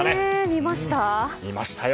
見ましたよ！